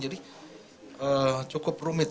jadi cukup rumit